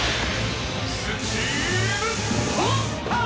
「スチームホッパー！」